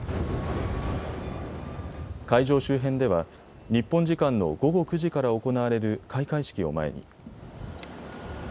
会場周辺では日本時間の午後９時から行われる開会式を前に。